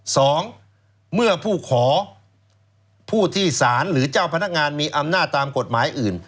สองเมื่อผู้ขอผู้ที่สารหรือเจ้าพนักงานมีอำนาจตามกฎหมายอื่น